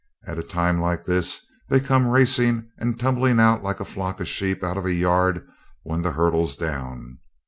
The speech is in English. At a time like this they come racing and tumbling out like a flock of sheep out of a yard when the hurdle's down.